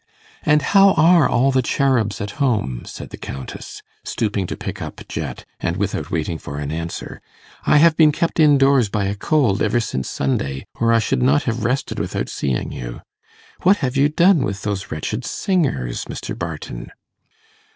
'And how are all the cherubs at home?' said the Countess, stooping to pick up Jet, and without waiting for an answer. 'I have been kept in doors by a cold ever since Sunday, or I should not have rested without seeing you. What have you done with those wretched singers, Mr. Barton?